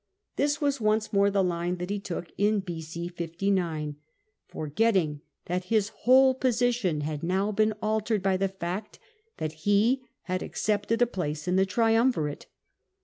This was once more the line that he took in B.C. 59 forgetting that his whole position had now been altered by the fact that he had accepted a place in the trium virate.